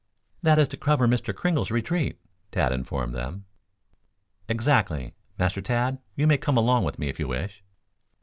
"That is to cover Mr. Kringle's retreat," Tad informed them. "Exactly. Master Tad, you may come along with me if you wish."